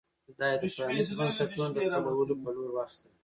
دا یې د پرانېستو بنسټونو د خپلولو په لور واخیستل.